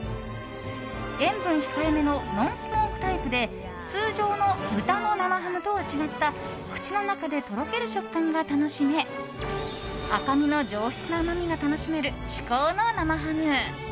塩分控えめのノンスモークタイプで通常の豚の生ハムとは違った口の中でとろける食感が楽しめ赤身の上質なうまみが楽しめる至高の生ハム。